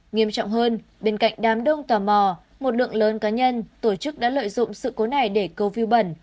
nghiêm trọng hơn bên cạnh đám đông tò mò một lượng lớn cá nhân tổ chức đã lợi dụng sự cố này để câu vie bẩn